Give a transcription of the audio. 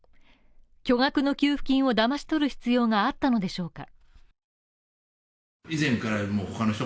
巨額の給付金をだまし取る必要があったのでしょうか？